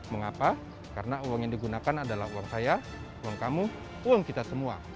mengapa karena uang yang digunakan adalah uang saya uang kamu uang kita semua